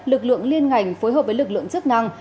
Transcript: lực lượng liên ngành phối hợp với lực lượng chức năng